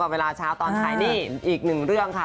เวลาเช้าตอนถ่ายนี่อีกหนึ่งเรื่องค่ะ